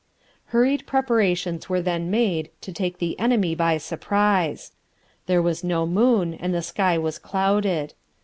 Hurried preparations were then made to take the enemy by surprise. There was no moon and the sky was clouded.